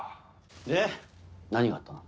で何があった？